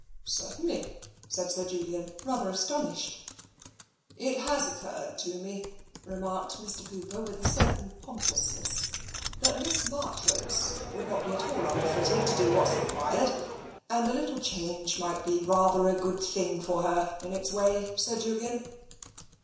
" Certainly," said Sir Julian, rather astonished. " It has occurred to me," remarked Mr. Cooper, with a certain pompousness, " that Miss Marchrose would not be at all unfitted to do what's required. And a little change might be rather a good thing for her, in its way, Sir Julian."